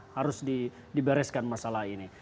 harus dibereskan masalah ini